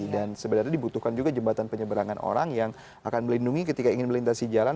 dan sebenarnya dibutuhkan juga jembatan penyeberangan orang yang akan melindungi ketika ingin melintasi jalan